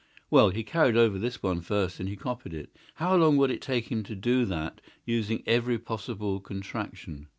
Well, he carried over this one first and he copied it. How long would it take him to do that, using every possible contraction?